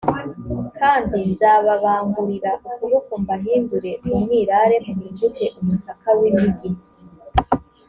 kandi nzababangurira ukuboko mbahindure umwirare muhinduke umusaka w’imigi